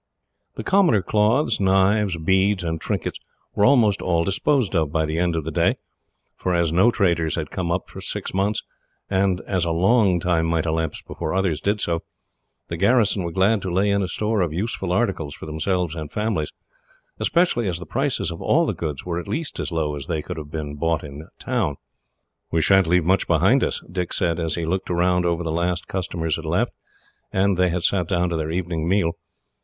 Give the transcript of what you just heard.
The commoner cloths, knives, beads, and trinkets were almost all disposed of, by the end of the day, for as no traders had come up for six months, and as a long time might elapse before others did so, the garrison were glad to lay in a store of useful articles for themselves and families, especially as the prices of all the goods were at least as low as they could have been bought in a town. "We sha'n't leave much behind us," Dick said, as he looked round after the last customer had left, and they had sat down to their evening meal.